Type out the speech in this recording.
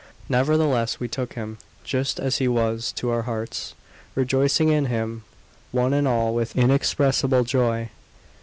Nevertheless, we took him, just as he was, to our hearts, rejoicing in him one and all with inexpressible joy.